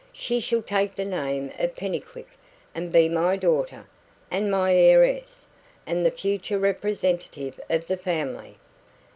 She shall take the name of Pennycuick, and be my daughter, and my heiress, and the future representative of the family.